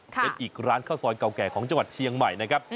เป็นอีกร้านข้าวซอยเก่าแก่ของจังหวัดเชียงใหม่นะครับ